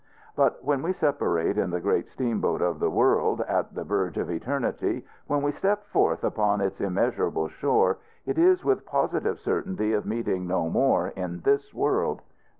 But when we separate in the great steamboat of the world at the verge of eternity, when we step forth upon its immeasurable shore, it is with positive certainty of meeting no more in this world.